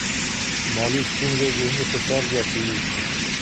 مالي ستونزې ذهنی فشار زیاتوي.